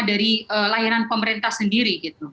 dari layanan pemerintah sendiri